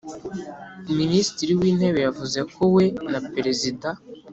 minisitiri w’intebe yavuze ko we na perezida